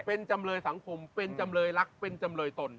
เป็นจำเลยสังคมเป็นจำเลยรักเป็นจำเลยตน